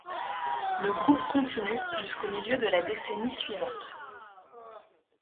Le groupe continue jusqu'au milieu de la décennie suivante.